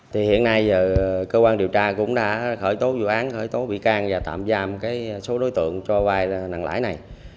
thì hiện nay cơ quan điều tra cũng đã khởi tố vụ án khởi tố bị can và tạm giam số đối tượng cho vai nặng lãi này